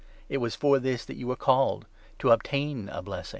It was to this that you were called — to obtain a blessing